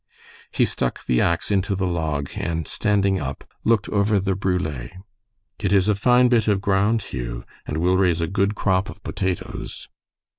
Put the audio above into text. He stuck the ax into the log, and standing up, looked over the brule. "It is a fine bit of ground, Hugh, and will raise a good crop of potatoes."